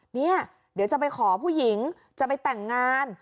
เนี่ยเดี๋ยวจะไปขอผู้หญิงจะไปแต่งงาน